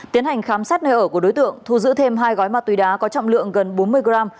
tiến hành khám xét nơi ở của đối tượng thu giữ thêm hai gói ma túy đá có trọng lượng gần bốn mươi g